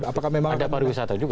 apakah memang ada pariwisata juga